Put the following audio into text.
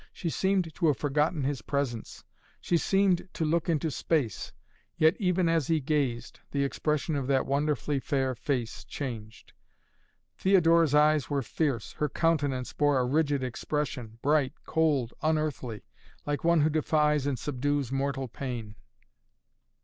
She seemed to have forgotten his presence. She seemed to look into space, yet even as he gazed, the expression of that wonderfully fair face changed. Theodora's eyes were fierce, her countenance bore a rigid expression, bright, cold, unearthly, like one who defies and subdues mortal pain.